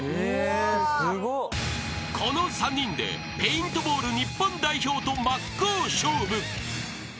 ［この３人でペイントボール日本代表と真っ向勝負］